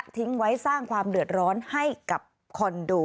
ทิ้งไว้สร้างความเดือดร้อนให้กับคอนโด